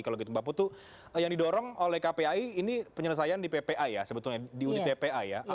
kalau gitu kembaputu yang didorong oleh kpi ini penyelesaian di ppi ya sebetulnya di unit ppi ya